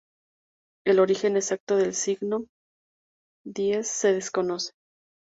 El origen exacto del signo X se desconoce.